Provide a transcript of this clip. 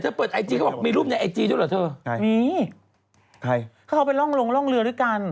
จริงจริงเขาบอกมีรูปในไอจีด้วยหรือเธอมีพี่มามเขาไปล่องเรือด้วยกัน